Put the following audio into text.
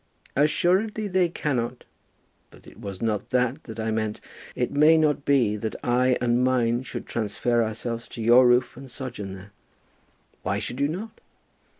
"Assuredly they cannot. But it was not that that I meant. It may not be that I and mine should transfer ourselves to your roof and sojourn there." "Why should you not?"